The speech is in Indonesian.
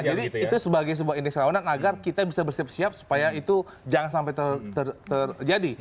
jadi itu sebagai sebuah indeks rawanan agar kita bisa bersiap siap supaya itu jangan sampai terjadi